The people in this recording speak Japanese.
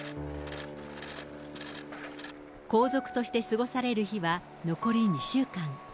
皇族として過ごされる日は、残り２週間。